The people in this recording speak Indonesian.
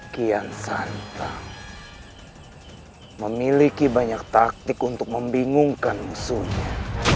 kian santa memiliki banyak taktik untuk membingungkan musuhnya